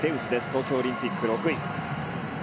東京オリンピック、６位。